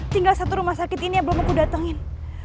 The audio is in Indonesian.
tinggal satu rumah sakit ini yang belum aku datangin